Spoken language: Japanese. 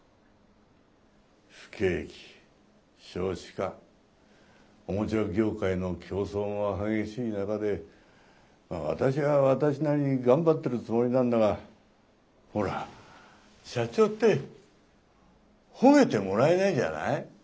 不景気少子化おもちゃ業界の競争も激しい中で私は私なりに頑張ってるつもりなんだがほら社長って褒めてもらえないじゃない？